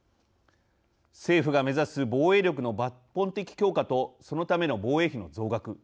政府が目指す防衛力の抜本的強化とそのための防衛費の増額。